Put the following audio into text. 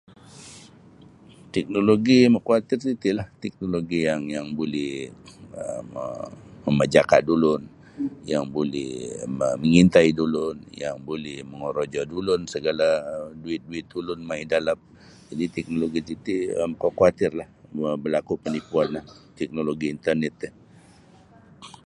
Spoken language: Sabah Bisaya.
Teknologi yang makawatir ti itilah teknologi yang yang buli um mo mamajaka da ulun yang buli ma mangintai da ulun yang buli mongorojo da ulun sagala duit-duit ulun mai da alap jadi teknologi titi um oku watirlah um berlaku penipuanlah teknologi internet ti.